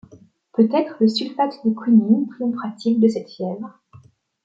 Peut-être le sulfate de quinine triompherait-il de cette fièvre.